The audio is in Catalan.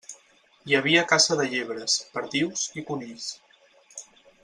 Hi havia caça de llebres, perdius i conills.